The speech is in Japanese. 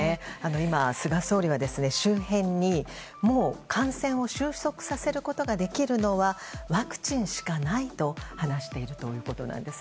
今、菅総理は周辺に、もう感染を収束させることができるのはワクチンしかないと話しているということです。